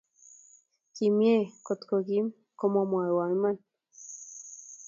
Kimie kotkoim komwowo iman